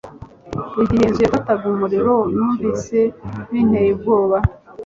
igihe inzu yafataga umuriro, numvise binteye ubwoba